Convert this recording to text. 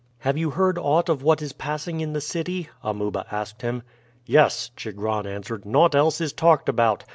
"Have you heard aught of what is passing in the city?" Amuba asked him. "Yes," Chigron answered; "naught else is talked about.